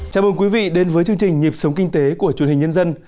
chào mừng quý vị đến với chương trình nhịp sống kinh tế của truyền hình nhân dân